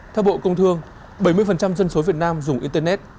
theo bộ công thương bảy mươi dân số việt nam dùng internet